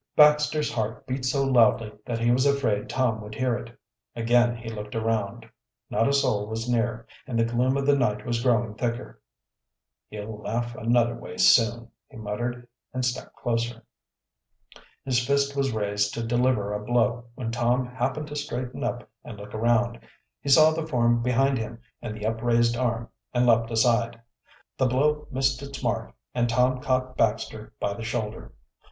Baxter's heart beat so loudly that he was afraid Tom would hear it. Again he looked around. Not a soul was near, and the gloom of the night was growing thicker. "He'll laugh another way soon!" he muttered, and stepped closer. His fist was raised to deliver a blow when Tom happened to straighten up and look around. He saw the form behind him and the upraised arm and leaped aside. The blow missed its mark and Tom caught Baxter by the shoulder.